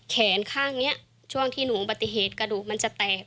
แขนข้างนี้ช่วงที่หนูอุบัติเหตุกระดูกมันจะแตก